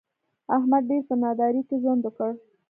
احمد ډېر په نادارۍ کې ژوند وکړ.